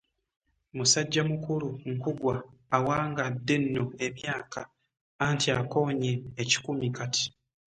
Musajja mukulu Nkugwa awangadde nno emyaka anti akoonye ekikumi kati.